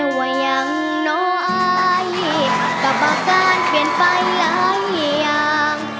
แปลว่ายังนอให้กลับมาก้านเข้นไปหลายอย่าง